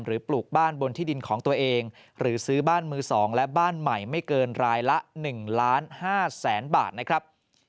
ปลูกบ้านบนที่ดินของตัวเองหรือซื้อบ้านมือ๒และบ้านใหม่ไม่เกินรายละ๑ล้าน๕แสนบาทนะครับ